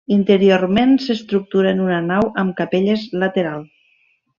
Interiorment s'estructura en una nau amb capelles lateral.